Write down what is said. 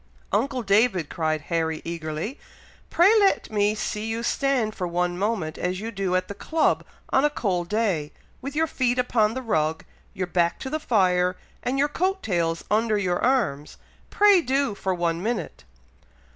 "Uncle David!" cried Harry, eagerly, "pray let me see you stand for one moment as you do at the club on a cold day, with your feet upon the rug, your back to the fire, and your coat tails under your arms! Pray do, for one minute!"